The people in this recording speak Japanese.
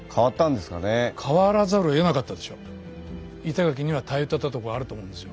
板垣には頼ってたとこがあると思うんですよ。